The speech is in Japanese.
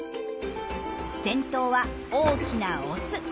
先頭は大きなオス。